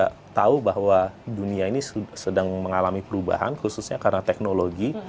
dan pada saat itu kita tahu bahwa dunia ini sedang mengalami perubahan khususnya karena teknologi